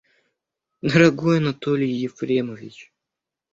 Дорогой Анатолий Ефремович!